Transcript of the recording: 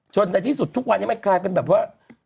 จนแต่ที่สุดทุกวันนี้มันกลายเป็นเหมือนว่า